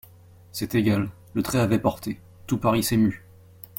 C'est égal, le trait avait porté, tout Paris s'émut.